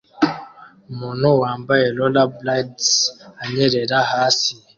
Umuntu wambaye Rollerblades anyerera hasi